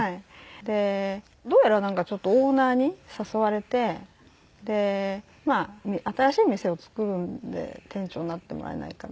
どうやらオーナーに誘われて新しい店を作るんで店長になってもらえないかみたいな。